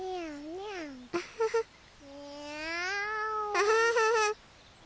アハハハ。